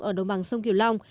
ở đồng bằng sông kiều long